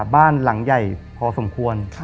บ้านหลังใหญ่พอสมควร